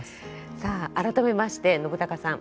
さあ改めまして信朗さん